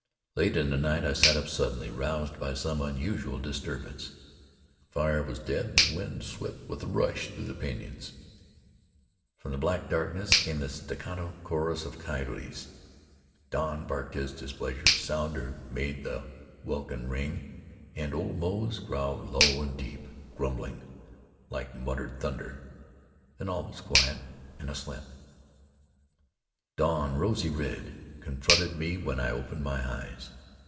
Late in the night I sat up suddenly, roused by some unusual disturbance. The fire was dead; the wind swept with a rush through the pinyons. From the black darkness came the staccato chorus of coyotes. Don barked his displeasure; Sounder made the welkin ring, and old Moze growled low and deep, grumbling like muttered thunder. Then all was quiet, and I slept. Dawn, rosy red, confronted me when I opened my eyes.